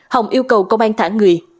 hòng yêu cầu công an thả người